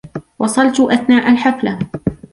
وصلت أثناء الحفلة